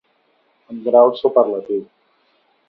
En grau superlatiu.